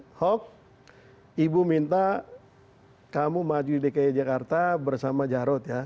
pak ahok ibu minta kamu maju di dki jakarta bersama jarod ya